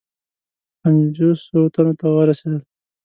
پنجوسو تنو ته ورسېدل.